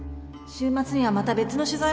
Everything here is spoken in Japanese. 週末にはまた別の取材